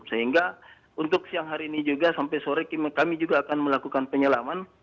sehingga untuk siang hari ini juga sampai sore kami juga akan melakukan penyelaman